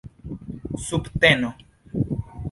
subteno